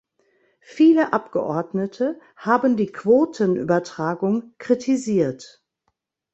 Viele Abgeordnete haben die Quotenübertragung kritisiert.